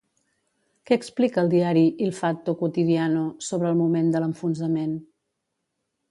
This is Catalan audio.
Què explica el diari Il Fatto Quotidiano sobre el moment de l'enfonsament?